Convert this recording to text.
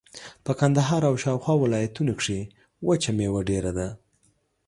په کندهار او شاوخوا ولایتونو کښې وچه مېوه ډېره ده.